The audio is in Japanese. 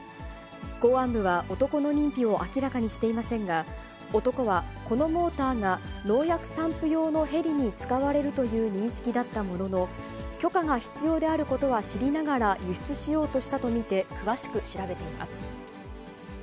公安部は男の認否を明らかにしていませんが、男はこのモーターが農薬散布用のヘリに使われるという認識だったものの、許可が必要であることは知りながら輸出しようとしたと見て、詳しく調べています。